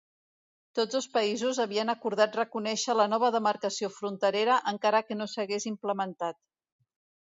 Tots dos països havien acordat reconèixer la nova demarcació fronterera encara que no s'hagués implementat.